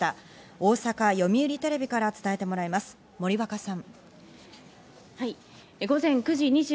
大阪・読売テレビから伝えてもらいます、森若さん。